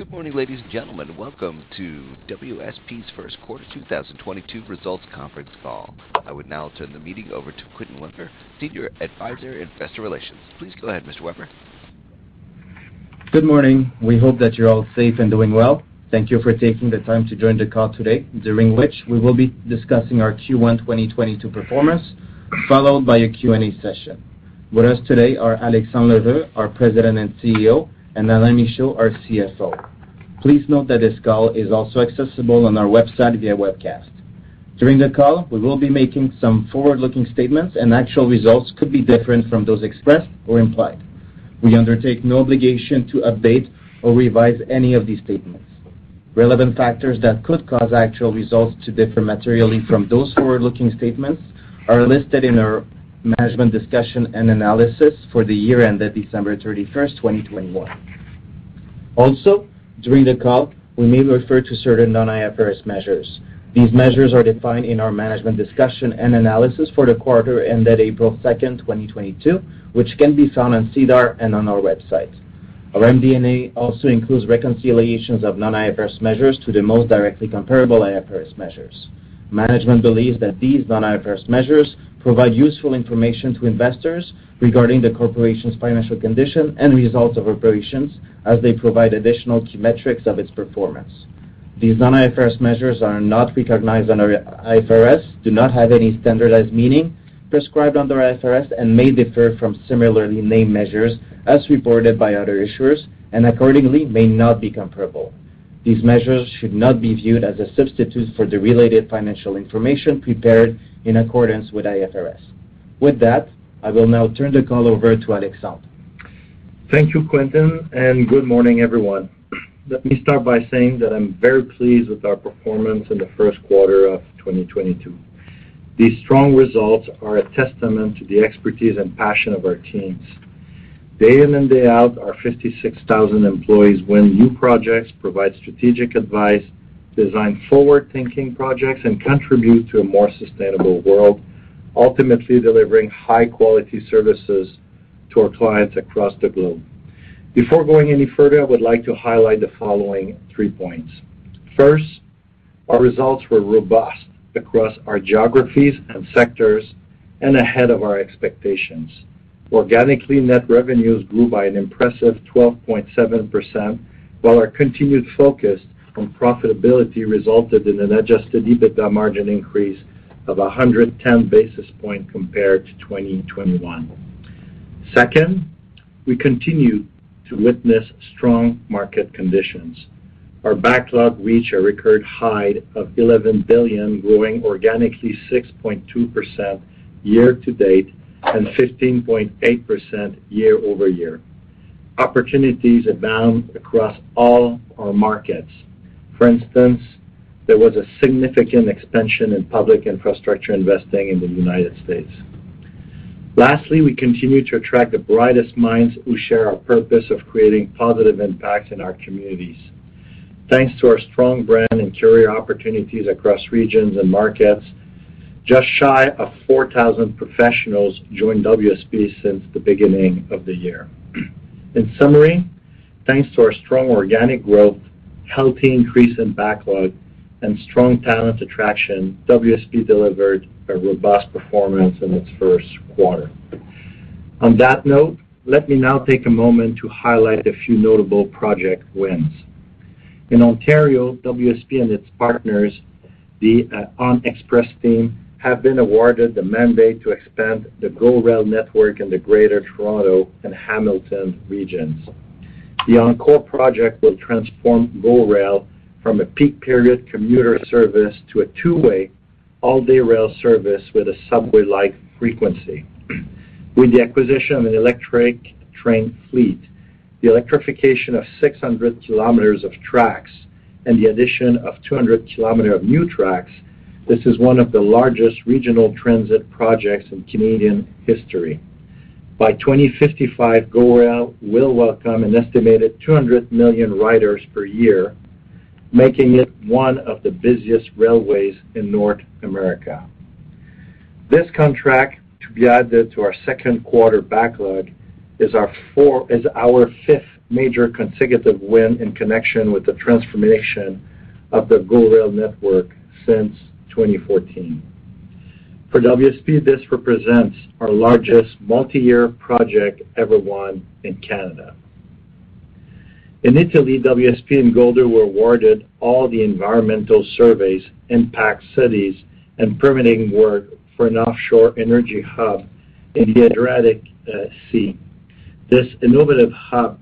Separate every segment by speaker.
Speaker 1: Good morning, ladies and gentlemen. Welcome to WSP's First Quarter 2022 Results Conference Call. I would now turn the meeting over to Quentin Weber, Senior Advisor, Investor Relations. Please go ahead, Mr. Weber.
Speaker 2: Good morning. We hope that you're all safe and doing well. Thank you for taking the time to join the call today, during which we will be discussing our Q1 2022 performance, followed by a Q&A session. With us today are Alexandre L'Heureux, our President and CEO, and Alain Michaud, our CFO. Please note that this call is also accessible on our website via webcast. During the call, we will be making some forward-looking statements, and actual results could be different from those expressed or implied. We undertake no obligation to update or revise any of these statements. Relevant factors that could cause actual results to differ materially from those forward-looking statements are listed in our management's discussion and analysis for the year ended December 31, 2021. Also, during the call, we may refer to certain non-IFRS measures. These measures are defined in our management's discussion and analysis for the quarter ended April 2, 2022, which can be found on SEDAR and on our website. Our MD&A also includes reconciliations of non-IFRS measures to the most directly comparable IFRS measures. Management believes that these non-IFRS measures provide useful information to investors regarding the corporation's financial condition and results of operations as they provide additional key metrics of its performance. These non-IFRS measures are not recognized under IFRS, do not have any standardized meaning prescribed under IFRS and may differ from similarly named measures as reported by other issuers and accordingly may not be comparable. These measures should not be viewed as a substitute for the related financial information prepared in accordance with IFRS. With that, I will now turn the call over to Alexandre.
Speaker 3: Thank you, Quentin, and good morning, everyone. Let me start by saying that I'm very pleased with our performance in the first quarter of 2022. These strong results are a testament to the expertise and passion of our teams. Day in and day out, our 56,000 employees win new projects, provide strategic advice, design forward-thinking projects, and contribute to a more sustainable world, ultimately delivering high-quality services to our clients across the globe. Before going any further, I would like to highlight the following three points. First, our results were robust across our geographies and sectors and ahead of our expectations. Organically, net revenues grew by an impressive 12.7%, while our continued focus on profitability resulted in an adjusted EBITDA margin increase of 110 basis points compared to 2021. Second, we continue to witness strong market conditions. Our backlog reached a record high of 11 billion, growing organically 6.2% year to date and 15.8% year-over-year. Opportunities abound across all our markets. For instance, there was a significant expansion in public infrastructure investing in the United States. Lastly, we continue to attract the brightest minds who share our purpose of creating positive impact in our communities. Thanks to our strong brand and career opportunities across regions and markets, just shy of 4,000 professionals joined WSP since the beginning of the year. In summary, thanks to our strong organic growth, healthy increase in backlog, and strong talent attraction, WSP delivered a robust performance in its first quarter. On that note, let me now take a moment to highlight a few notable project wins. In Ontario, WSP and its partners, the ONxpress team, have been awarded the mandate to expand the GO Rail network in the Greater Toronto and Hamilton regions. The OnCorr Project will transform GO Rail from a peak period commuter service to a two-way all-day rail service with a subway-like frequency. With the acquisition of an electric train fleet, the electrification of 600 kilometers of tracks and the addition of 200 kilometer of new tracks, this is one of the largest regional transit projects in Canadian history. By 2055, GO Rail will welcome an estimated 200 million riders per year, making it one of the busiest railways in North America. This contract, to be added to our second quarter backlog, is our fifth major consecutive win in connection with the transformation of the GO Rail network since 2014. For WSP, this represents our largest multi-year project ever won in Canada. In Italy, WSP and Golder were awarded all the environmental surveys, impact studies, and permitting work for an offshore energy hub in the Adriatic Sea. This innovative hub,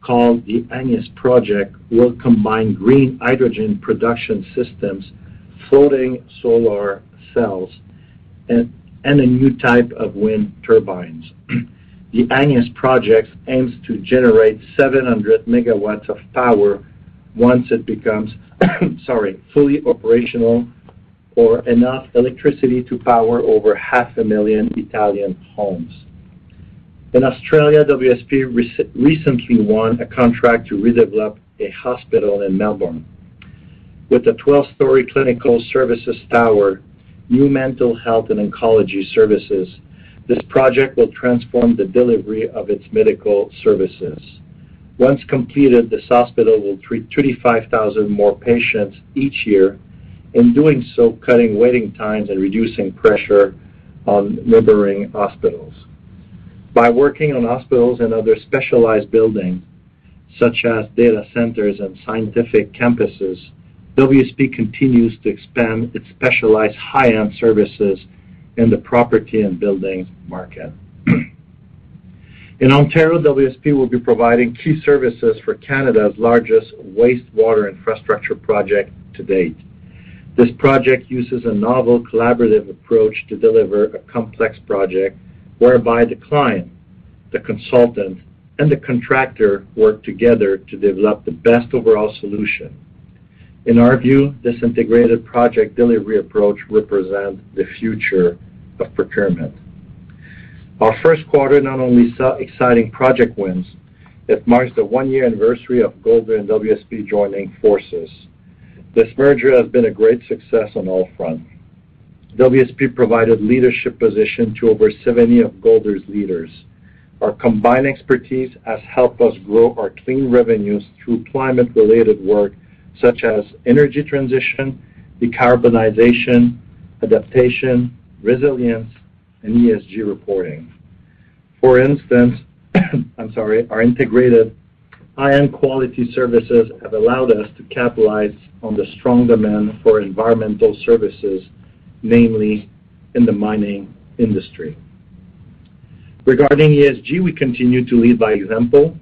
Speaker 3: called the Agnes Project, will combine green hydrogen production systems, floating solar cells, and a new type of wind turbines. The Agnes Project aims to generate 700 megawatts of power once it becomes fully operational or enough electricity to power over half a million Italian homes. In Australia, WSP recently won a contract to redevelop a hospital in Melbourne. With the 12-story clinical services tower, new mental health and oncology services, this project will transform the delivery of its medical services. Once completed, this hospital will treat 35,000 more patients each year, in doing so, cutting waiting times and reducing pressure on neighboring hospitals. By working on hospitals and other specialized buildings, such as data centers and scientific campuses, WSP continues to expand its specialized high-end services in the property and buildings market. In Ontario, WSP will be providing key services for Canada's largest wastewater infrastructure project to date. This project uses a novel collaborative approach to deliver a complex project whereby the client, the consultant, and the contractor work together to develop the best overall solution. In our view, this integrated project delivery approach represents the future of procurement. Our first quarter not only saw exciting project wins, it marks the one-year anniversary of Golder and WSP joining forces. This merger has been a great success on all fronts. WSP provided leadership position to over 70 of Golder's leaders. Our combined expertise has helped us grow our net revenues through climate-related work such as energy transition, decarbonization, adaptation, resilience, and ESG reporting. For instance, I'm sorry, our integrated high-end quality services have allowed us to capitalize on the strong demand for environmental services, mainly in the mining industry. Regarding ESG, we continue to lead by example.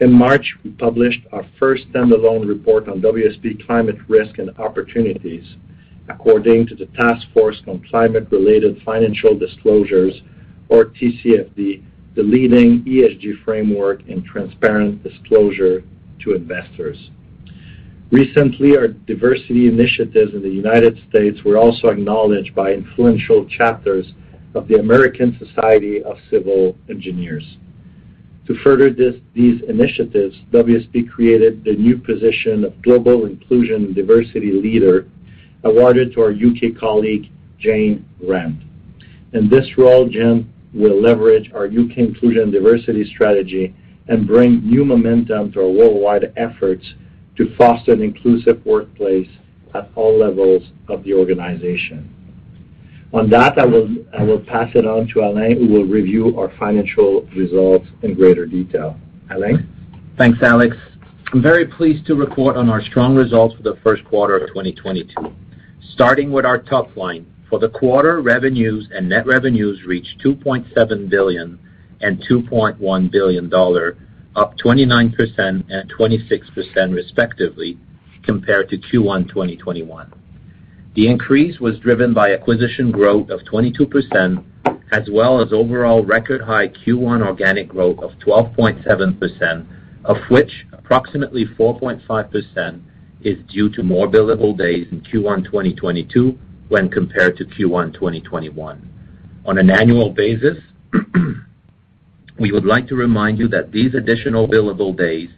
Speaker 3: In March, we published our first standalone report on WSP climate risk and opportunities according to the Task Force on Climate-related Financial Disclosures, or TCFD, the leading ESG framework in transparent disclosure to investors. Recently, our diversity initiatives in the United States were also acknowledged by influential chapters of the American Society of Civil Engineers. To further these initiatives, WSP created the new position of Global Inclusion and Diversity Leader, awarded to our U.K. colleague, Jane Grant. In this role, Jane will leverage our U.K. inclusion diversity strategy and bring new momentum to our worldwide efforts to foster an inclusive workplace at all levels of the organization. On that, I will pass it on to Alain, who will review our financial results in greater detail. Alain?
Speaker 4: Thanks, Alex. I'm very pleased to report on our strong results for the first quarter of 2022. Starting with our top line. For the quarter, revenues and net revenues reached 2.7 billion and 2.1 billion dollar, up 29% and 26% respectively, compared to Q1 2021. The increase was driven by acquisition growth of 22%, as well as overall record-high Q1 organic growth of 12.7%, of which approximately 4.5% is due to more billable days in Q1 2022 when compared to Q1 2021. On an annual basis, we would like to remind you that these additional billable days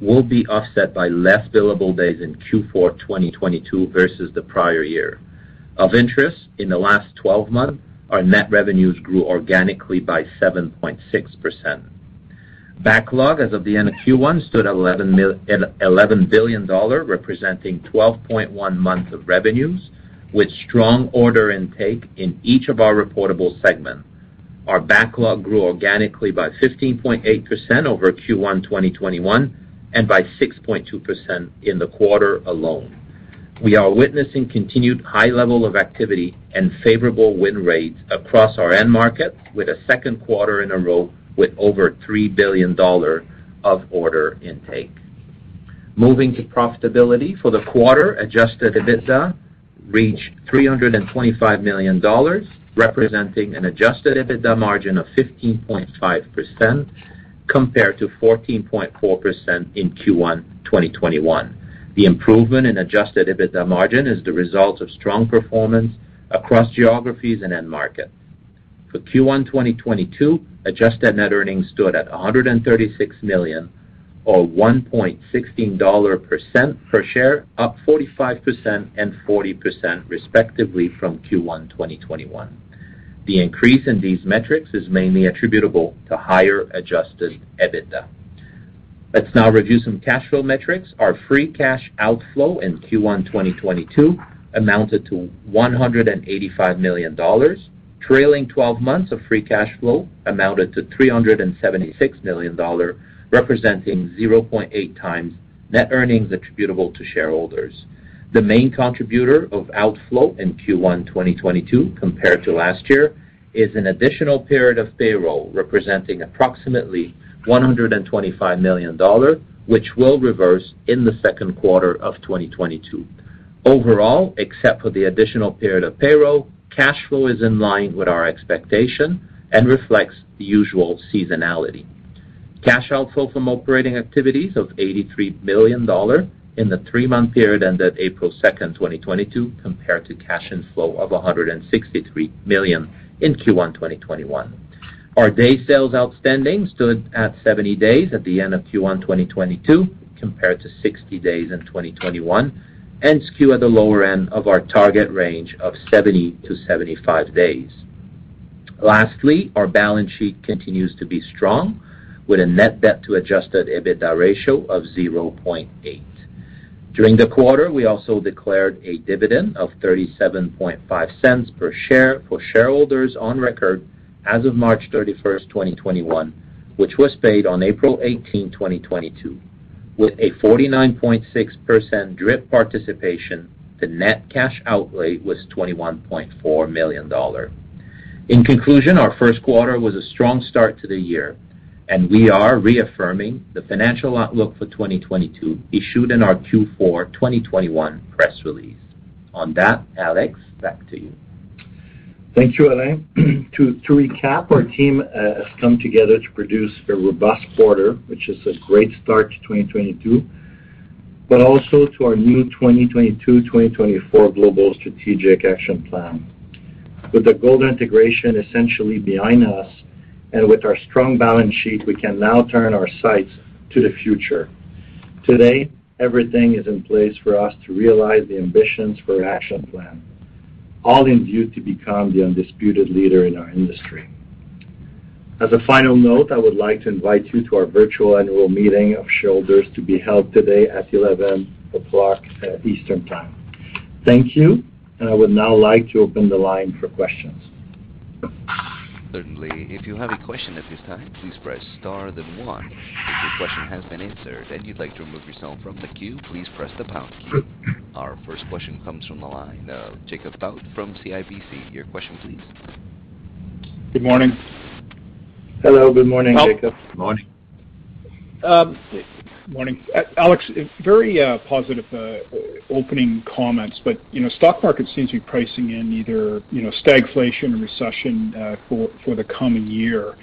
Speaker 4: will be offset by less billable days in Q4 2022 versus the prior year. Of interest, in the last twelve months, our net revenues grew organically by 7.6%. Backlog as of the end of Q1 stood at 11 billion dollar, representing 12.1 months of revenues, with strong order intake in each of our reportable segments. Our backlog grew organically by 15.8% over Q1 2021 and by 6.2% in the quarter alone. We are witnessing continued high level of activity and favorable win rates across our end market with a second quarter in a row with over 3 billion dollars of order intake. Moving to profitability. For the quarter, adjusted EBITDA reached 325 million dollars, representing an adjusted EBITDA margin of 15.5% compared to 14.4% in Q1 2021. The improvement in adjusted EBITDA margin is the result of strong performance across geographies and end market. For Q1 2022, adjusted net earnings stood at 136 million or 1.16 dollar per share, up 45% and 40% respectively from Q1 2021. The increase in these metrics is mainly attributable to higher adjusted EBITDA. Let's now review some cash flow metrics. Our free cash outflow in Q1 2022 amounted to 185 million dollars. Trailing twelve months of free cash flow amounted to 376 million dollar, representing 0.8 times net earnings attributable to shareholders. The main contributor of outflow in Q1 2022 compared to last year is an additional period of payroll representing approximately 125 million dollars, which will reverse in the second quarter of 2022. Overall, except for the additional period of payroll, cash flow is in line with our expectation and reflects the usual seasonality. Cash outflow from operating activities of 83 million dollars in the three-month period ended April 2, 2022, compared to cash inflow of 163 million in Q1 2021. Our day sales outstanding stood at 70 days at the end of Q1 2022, compared to 60 days in 2021, and skew at the lower end of our target range of 70-75 days. Lastly, our balance sheet continues to be strong with a net debt to adjusted EBITDA ratio of 0.8. During the quarter, we also declared a dividend of 0.375 per share for shareholders on record as of March 31, 2021, which was paid on April 18, 2022. With a 49.6% DRIP participation, the net cash outlay was 21.4 million dollars. In conclusion, our first quarter was a strong start to the year, and we are reaffirming the financial outlook for 2022 issued in our Q4 2021 press release. On that, Alex, back to you.
Speaker 3: Thank you, Alain. To recap, our team has come together to produce a robust quarter, which is a great start to 2022, but also to our new 2022-2024 global strategic action plan. With the Golder integration essentially behind us and with our strong balance sheet, we can now turn our sights to the future. Today, everything is in place for us to realize the ambitions for our action plan, all in view to become the undisputed leader in our industry. As a final note, I would like to invite you to our virtual annual meeting of shareholders to be held today at 11:00 A.M. Eastern Time. Thank you, and I would now like to open the line for questions.
Speaker 1: Certainly. If you have a question at this time, please press star then one. If your question has been answered and you'd like to remove yourself from the queue, please press the pound key. Our first question comes from the line of Jacob Bout from CIBC. Your question please.
Speaker 5: Good morning.
Speaker 3: Hello, good morning, Jacob.
Speaker 4: Good morning.
Speaker 5: Morning. Alex, very positive opening comments, but you know, stock market seems to be pricing in either, you know, stagflation or recession for the coming year.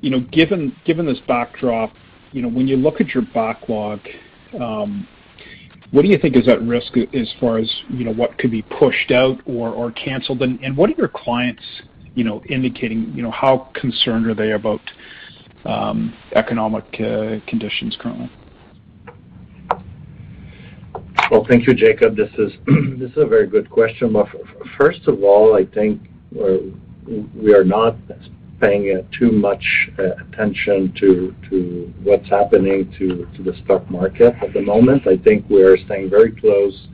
Speaker 5: You know, given this backdrop, you know, when you look at your backlog, what do you think is at risk as far as, you know, what could be pushed out or canceled? What are your clients, you know, indicating? You know, how concerned are they about economic conditions currently?
Speaker 3: Well, thank you, Jacob. This is a very good question. First of all, I think we are not paying too much attention to what's happening to the stock market at the moment. I think we are staying very close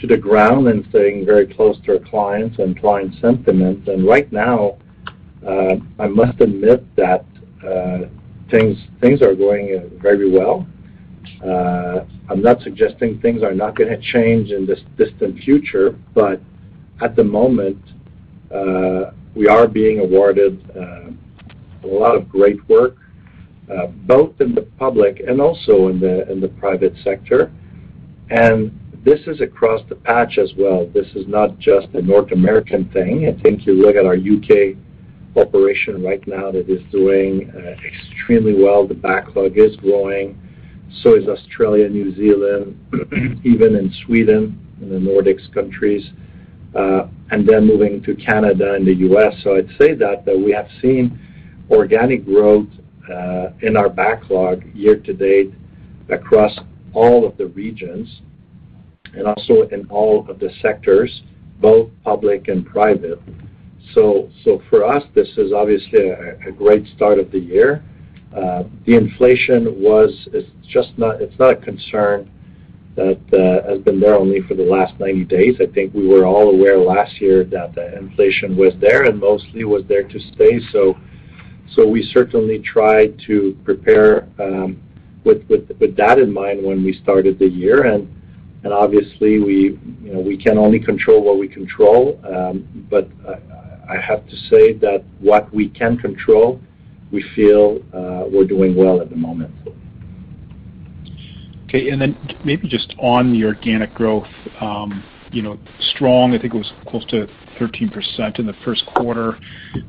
Speaker 3: to the ground and staying very close to our clients and client sentiment. Right now I must admit that things are going very well. I'm not suggesting things are not gonna change in the distant future, but at the moment we are being awarded a lot of great work both in the public and also in the private sector. This is across the patch as well. This is not just a North American thing. I think you look at our U.K. operation right now, that is doing extremely well. The backlog is growing, so is Australia, New Zealand, even in Sweden, in the Nordic countries, and then moving to Canada and the U.S. I'd say we have seen organic growth in our backlog year to date across all of the regions and also in all of the sectors, both public and private. For us, this is obviously a great start of the year. It's just not a concern that has been there only for the last 90 days. I think we were all aware last year that the inflation was there and mostly was there to stay. We certainly tried to prepare with that in mind when we started the year. Obviously, you know, we can only control what we control. I have to say that what we can control, we feel, we're doing well at the moment.
Speaker 5: Maybe just on the organic growth, you know, strong. I think it was close to 13% in the first quarter,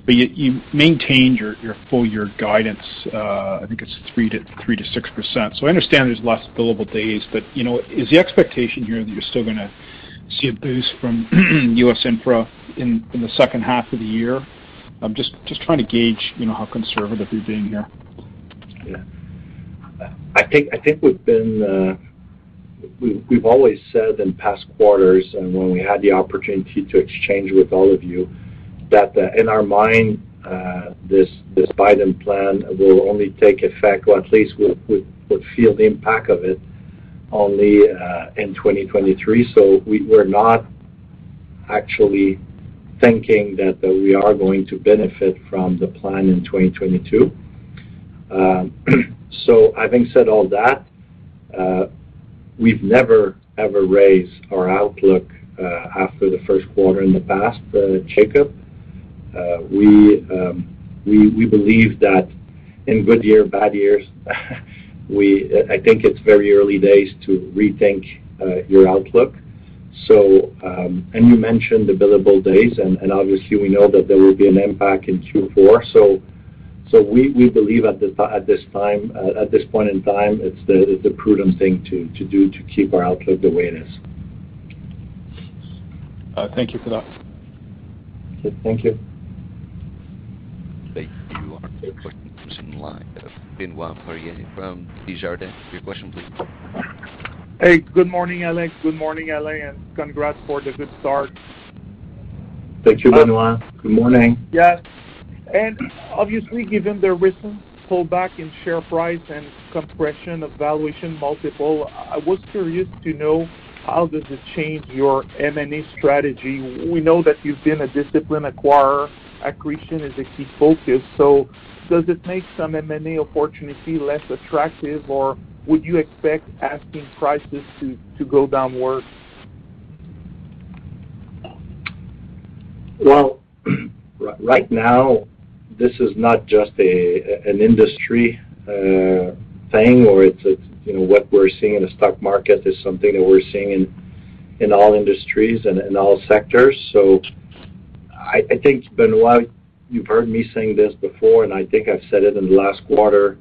Speaker 5: but yet you maintained your full year guidance, I think it's 3%-6%. I understand there's less billable days, but, you know, is the expectation here that you're still gonna see a boost from U.S. Infra in the second half of the year? I'm just trying to gauge, you know, how conservative you're being here.
Speaker 3: Yeah. I think we've always said in past quarters and when we had the opportunity to exchange with all of you that, in our mind, this Biden plan will only take effect, or at least we'll feel the impact of it only, in 2023. We're not actually thinking that we are going to benefit from the plan in 2022. Having said all that, we've never, ever raised our outlook after the first quarter in the past, Jacob. We believe that in good year, bad years, I think it's very early days to rethink your outlook. You mentioned the billable days, and obviously, we know that there will be an impact in Q4. We believe at this time, at this point in time, it's the prudent thing to do to keep our outlook the way it is.
Speaker 5: Thank you for that.
Speaker 3: Okay. Thank you.
Speaker 1: Thank you. Our next question comes from the line of Benoit Poirier from Desjardins. Your question, please.
Speaker 6: Hey, good morning, Alex. Good morning, Alain. Congrats for the good start.
Speaker 3: Thank you, Benoit. Good morning.
Speaker 6: Yes. Obviously, given the recent pullback in share price and compression of valuation multiple, I was curious to know how does it change your M&A strategy. We know that you've been a disciplined acquirer. Accretion is a key focus. Does it make some M&A opportunity less attractive, or would you expect asking prices to go downward?
Speaker 3: Well, right now, this is not just an industry thing or it's, you know, what we're seeing in the stock market is something that we're seeing in all industries and in all sectors. I think, Benoit, you've heard me saying this before, and I think I've said it in the last quarter,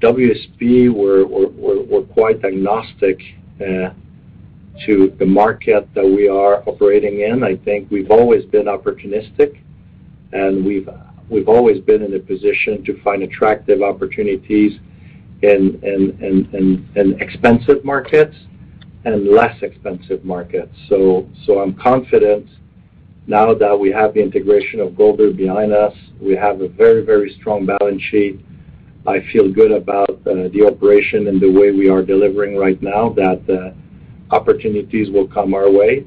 Speaker 3: WSP we're quite agnostic to the market that we are operating in. I think we've always been opportunistic, and we've always been in a position to find attractive opportunities in expensive markets and less expensive markets. I'm confident now that we have the integration of Golder behind us, we have a very, very strong balance sheet. I feel good about the operation and the way we are delivering right now, that opportunities will come our way.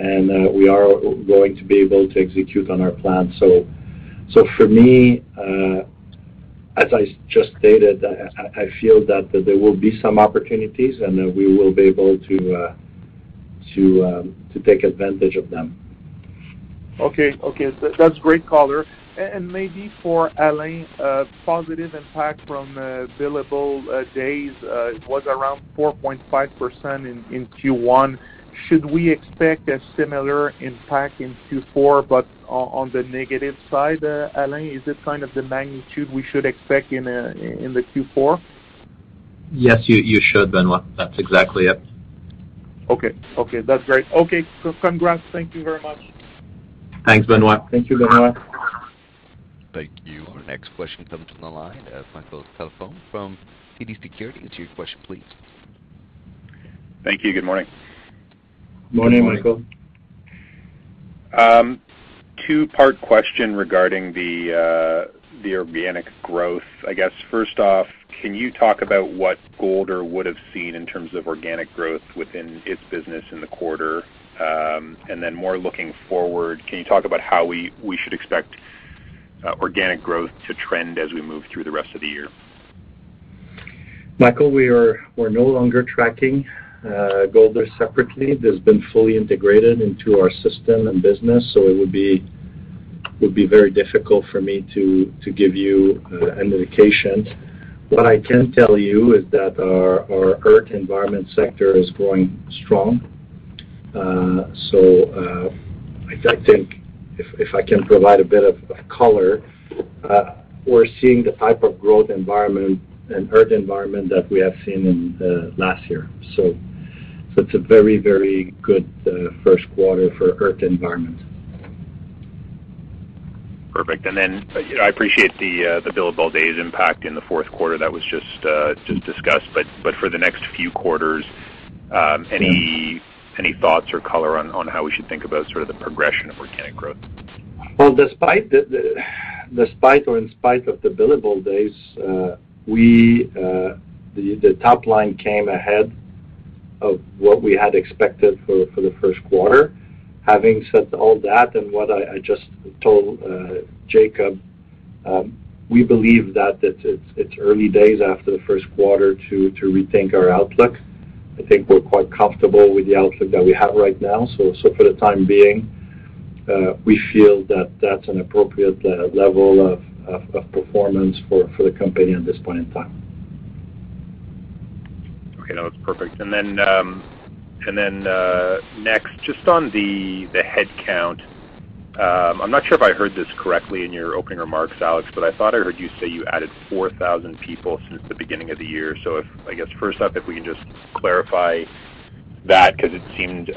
Speaker 3: We are going to be able to execute on our plan. For me, as I just stated, I feel that there will be some opportunities, and then we will be able to take advantage of them.
Speaker 6: Okay. That's great color. Maybe for Alain, positive impact from billable days was around 4.5% in Q1. Should we expect a similar impact in Q4, but on the negative side, Alain? Is it kind of the magnitude we should expect in Q4?
Speaker 4: Yes, you should, Benoit. That's exactly it.
Speaker 6: Okay. That's great. Okay. Congrats. Thank you very much.
Speaker 3: Thanks, Benoit.
Speaker 4: Thank you, Benoit.
Speaker 1: Thank you. Our next question comes from the line of Michael Tupholme from TD Securities. It's your question please.
Speaker 7: Thank you. Good morning.
Speaker 3: Morning, Michael.
Speaker 7: Two-part question regarding the organic growth. I guess, first off, can you talk about what Golder would have seen in terms of organic growth within its business in the quarter? More looking forward, can you talk about how we should expect organic growth to trend as we move through the rest of the year?
Speaker 3: Michael, we're no longer tracking Golder separately. It has been fully integrated into our system and business, so it would be very difficult for me to give you an indication. What I can tell you is that our Earth & Environment sector is growing strong. I think if I can provide a bit of color, we're seeing the type of growth environment and Earth & Environment that we have seen in last year. It's a very, very good first quarter for Earth & Environment.
Speaker 7: Perfect. You know, I appreciate the billable days impact in the fourth quarter. That was just discussed. For the next few quarters, any thoughts or color on how we should think about sort of the progression of organic growth?
Speaker 3: Well, despite or in spite of the billable days, we, the top line came ahead of what we had expected for the first quarter. Having said all that and what I just told Jacob, we believe that it's early days after the first quarter to rethink our outlook. I think we're quite comfortable with the outlook that we have right now. For the time being, we feel that that's an appropriate level of performance for the company at this point in time.
Speaker 7: Okay. No, it's perfect. Next, just on the headcount, I'm not sure if I heard this correctly in your opening remarks, Alex, but I thought I heard you say you added 4,000 people since the beginning of the year. If, I guess, first up, if we can just clarify that because it seemed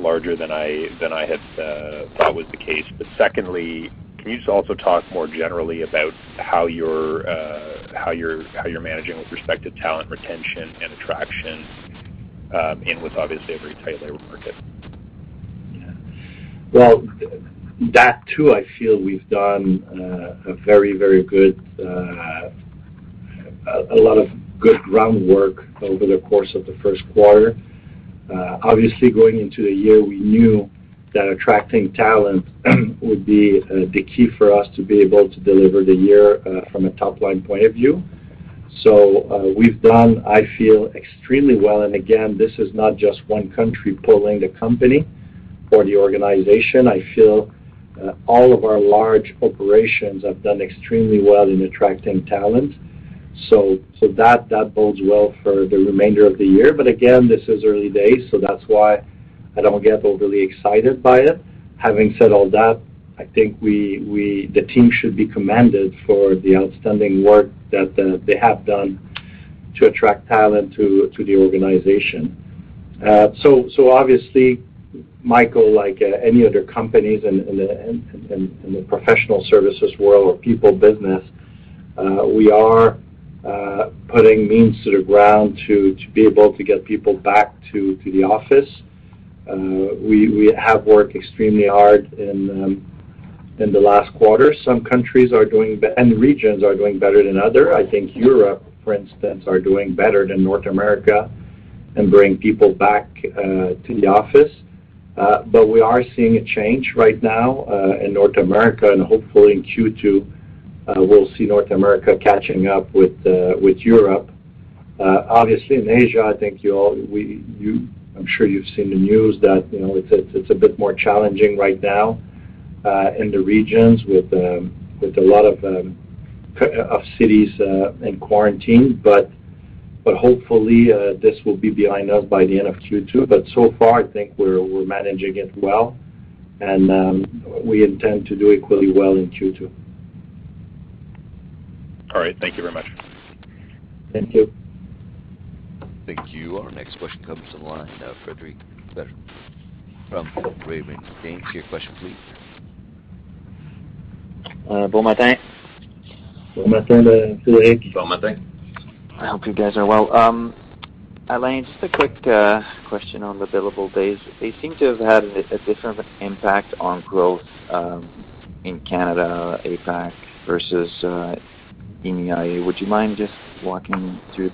Speaker 7: larger than I had thought was the case. Secondly, can you just also talk more generally about how you're managing with respect to talent retention and attraction, and with obviously a very tight labor market?
Speaker 3: Yeah. Well, that too, I feel we've done a very, very good, a lot of good groundwork over the course of the first quarter. Obviously, going into the year, we knew that attracting talent would be the key for us to be able to deliver the year from a top-line point of view. We've done, I feel, extremely well. Again, this is not just one country pulling the company or the organization. I feel all of our large operations have done extremely well in attracting talent. That bodes well for the remainder of the year. Again, this is early days, so that's why I don't get overly excited by it. Having said all that, I think the team should be commended for the outstanding work that they have done to attract talent to the organization. Obviously, Michael, like any other companies in the professional services world or people business, we are putting boots on the ground to be able to get people back to the office. We have worked extremely hard in the last quarter. Some countries and regions are doing better than other. I think Europe, for instance, are doing better than North America in bringing people back to the office. We are seeing a change right now in North America and hopefully in Q2 we'll see North America catching up with Europe. Obviously in Asia, I think you all, I'm sure you've seen the news that, you know, it's a bit more challenging right now in the regions with a lot of cities in quarantine. Hopefully, this will be behind us by the end of Q2. So far, I think we're managing it well and we intend to do equally well in Q2.
Speaker 7: All right. Thank you very much.
Speaker 3: Thank you.
Speaker 1: Thank you. Our next question comes on the line, Frederic Bastien from Raymond James. Your question please.
Speaker 8: Bon matin.
Speaker 3: Bon matin, Frederic.
Speaker 4: Bon matin.
Speaker 8: I hope you guys are well. Alain, just a quick question on the billable days. They seem to have had a different impact on growth in Canada, APAC versus EMEIA. Would you mind just walking through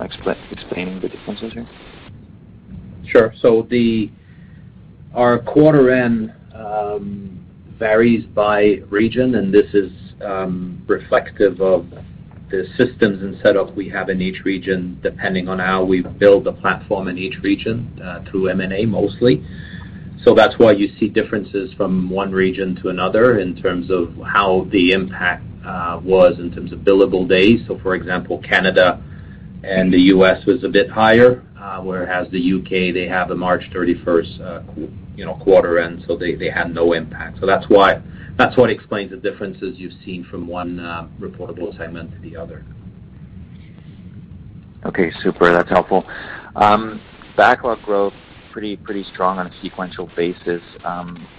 Speaker 8: explaining the differences here?
Speaker 3: Sure. Our quarter end varies by region, and this is reflective of the systems and setup we have in each region, depending on how we build the platform in each region through M&A mostly. That's why you see differences from one region to another in terms of how the impact was in terms of billable days. For example, Canada and the U.S. was a bit higher, whereas the U.K., they have the March thirty-first quarter end, you know, so they had no impact. That's what explains the differences you've seen from one reportable segment to the other.
Speaker 8: Okay. Super. That's helpful. Backlog growth pretty strong on a sequential basis.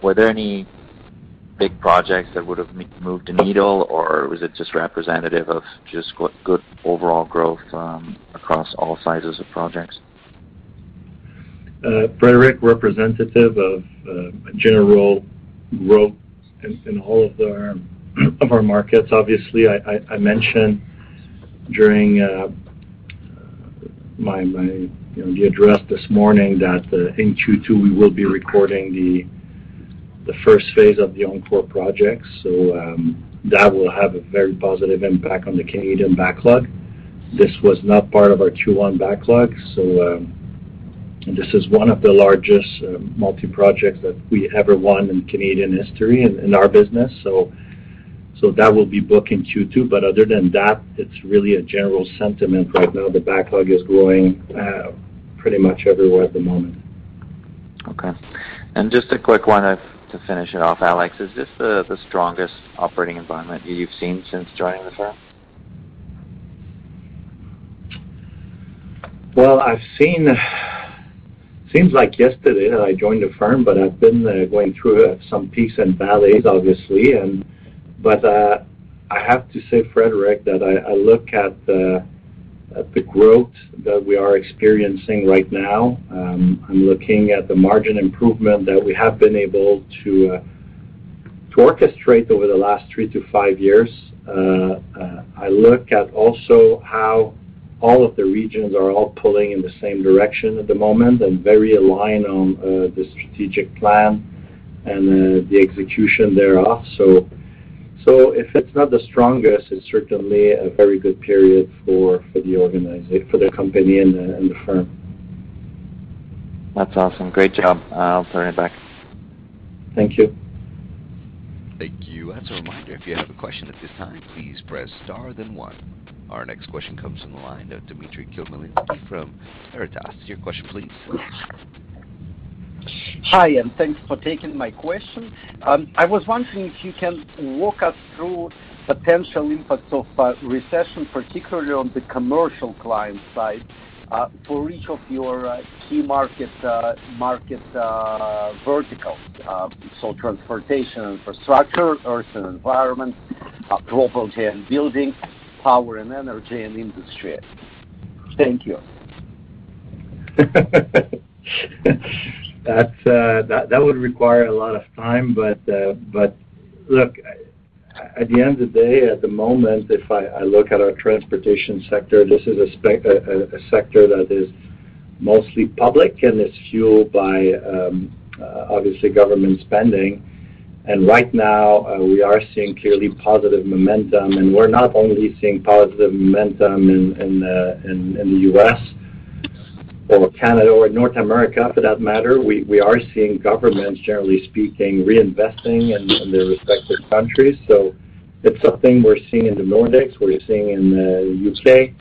Speaker 8: Were there any big projects that would've moved the needle, or was it just representative of just good overall growth, across all sizes of projects?
Speaker 3: Frederic, representative of a general growth in all of our markets. Obviously, I mentioned during my you know the address this morning that in Q2 we will be recording the first phase of the OnCorr project. That will have a very positive impact on the Canadian backlog. This was not part of our Q1 backlog, so this is one of the largest multi-projects that we ever won in Canadian history in our business. That will be booked in Q2. But other than that, it's really a general sentiment right now. The backlog is growing pretty much everywhere at the moment.
Speaker 8: Okay. Just a quick one to finish it off, Alex. Is this the strongest operating environment you've seen since joining the firm?
Speaker 3: Well, I've seen. Seems like yesterday that I joined the firm, but I've been going through some peaks and valleys, obviously. But I have to say, Frederic, that I look at the growth that we are experiencing right now. I'm looking at the margin improvement that we have been able to to orchestrate over the last 3-5 years. I look at also how all of the regions are all pulling in the same direction at the moment and very aligned on the strategic plan and the execution thereof. If it's not the strongest, it's certainly a very good period for the company and the firm.
Speaker 8: That's awesome. Great job. I'll turn it back.
Speaker 3: Thank you.
Speaker 1: Thank you. As a reminder, if you have a question at this time, please press star then one. Our next question comes from the line of Dimitry Khmelnitsky from Veritas. Your question please.
Speaker 9: Hi, and thanks for taking my question. I was wondering if you can walk us through potential impacts of recession, particularly on the commercial client side, for each of your key market verticals. Transportation infrastructure, Earth & Environment, global tech and building, power and energy and industry. Thank you.
Speaker 3: That would require a lot of time, but look, at the end of the day, at the moment, if I look at our transportation sector, this is a sector that is mostly public, and it's fueled by, obviously, government spending. Right now, we are seeing clearly positive momentum. We're not only seeing positive momentum in the U.S. or Canada or North America for that matter. We are seeing governments, generally speaking, reinvesting in their respective countries. It's something we're seeing in the Nordics, we're seeing in the U.K.,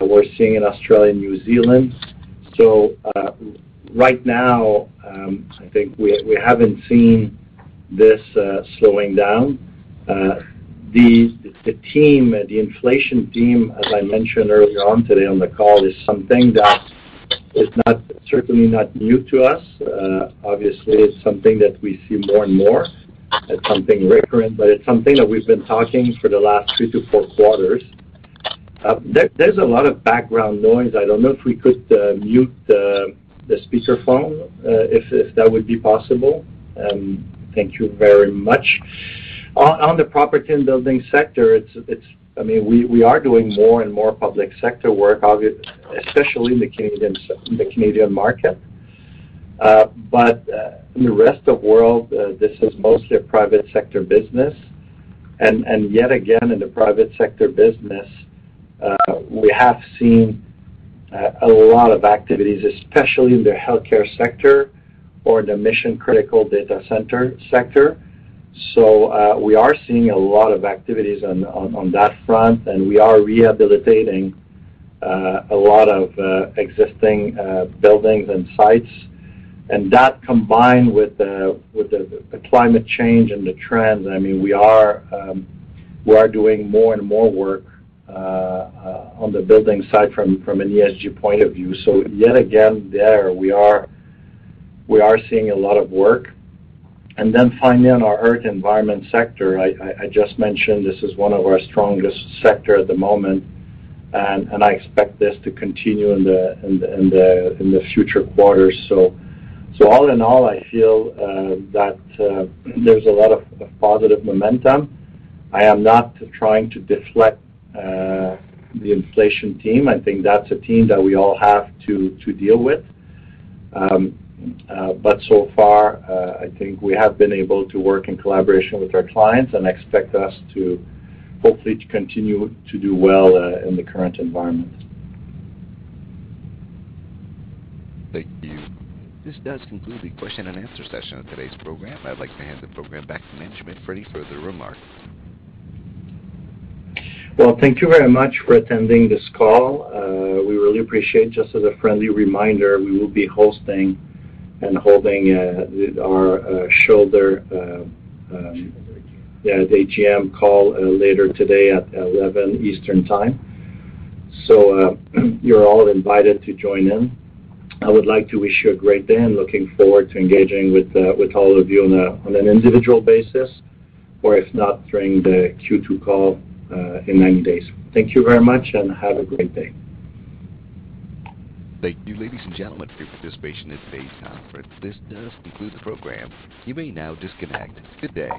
Speaker 3: we're seeing in Australia and New Zealand. Right now, I think we haven't seen this slowing down. The inflation team, as I mentioned earlier on today on the call, is something that is certainly not new to us. Obviously, it's something that we see more and more. It's something recurrent, but it's something that we've been talking for the last 2-4 quarters. There's a lot of background noise. I don't know if we could mute the speaker phone if that would be possible. Thank you very much. On the property and building sector, it's, I mean, we are doing more and more public sector work especially in the Canadian market. But in the rest of the world, this is mostly a private sector business. Yet again, in the private sector business, we have seen a lot of activities, especially in the healthcare sector or the mission-critical data center sector. We are seeing a lot of activities on that front, and we are rehabilitating a lot of existing buildings and sites. That combined with the climate change and the trends, I mean, we are doing more and more work on the building side from an ESG point of view. Yet again, there we are seeing a lot of work. Then finally on our Earth & Environment sector, I just mentioned this is one of our strongest sector at the moment, and I expect this to continue in the future quarters. All in all, I feel that there's a lot of positive momentum. I am not trying to deflect the inflation theme. I think that's a theme that we all have to deal with. So far, I think we have been able to work in collaboration with our clients and expect us to hopefully continue to do well in the current environment.
Speaker 1: Thank you. This does conclude the question and answer session of today's program. I'd like to hand the program back to management for any further remarks.
Speaker 3: Well, thank you very much for attending this call. We really appreciate. Just as a friendly reminder, we will be hosting and holding our shareholder the AGM call later today at 11 Eastern time. You're all invited to join in. I would like to wish you a great day, and looking forward to engaging with all of you on an individual basis, or if not, during the Q2 call in 90 days. Thank you very much, and have a great day.
Speaker 1: Thank you, ladies and gentlemen, for your participation in today's conference. This does conclude the program. You may now disconnect. Good day.